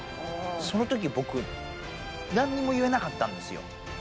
そのとき、僕、なんにも言えなかったんですよ。